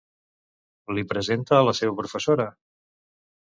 Li presenta a la seva professora?